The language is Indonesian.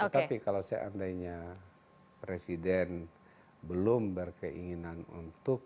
tapi kalau seandainya presiden belum berkeinginan untuk